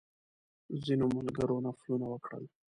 ځینو ملګرو نفلونه وکړل.